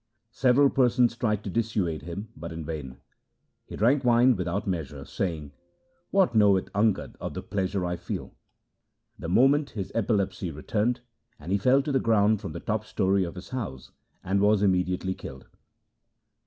Several persons tried to dissuade him, but in vain. He drank wine without measure, saying, 'What knoweth Angad of the pleasure I feel ?' That moment his epilepsy returned, he fell to the ground from the top story of his house, and was immediately killed.